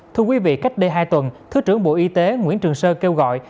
thưa quý vị cách đây hai tuần thứ trưởng bộ y tế nguyễn trường sơn kêu gọi